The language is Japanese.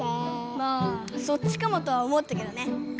まあそっちかもとは思ったけどね。